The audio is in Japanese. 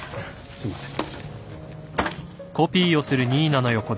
すみません。